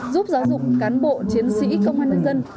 giúp giáo dục cán bộ chiến sĩ công an nhân dân